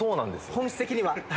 「本質的には」